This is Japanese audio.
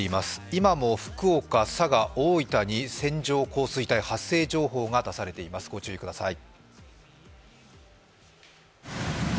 今も福岡、佐賀、大分に線状降水帯発生情報が出されています、ご注意ください。